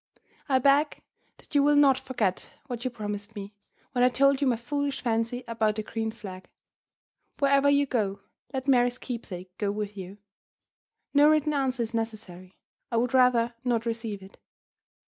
I beg that you will not forget what you promised me, when I told you my foolish fancy about the green flag. Wherever you go, let Mary's keepsake go with you. No written answer is necessary I would rather not receive it.